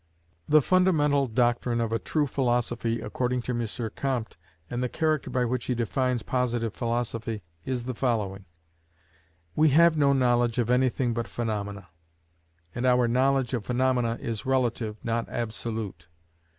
The fundamental doctrine of a true philosophy, according to M. Comte, and the character by which he defines Positive Philosophy, is the following: We have no knowledge of anything but Phaenomena; and our knowledge of phaenomena is relative, not absolute.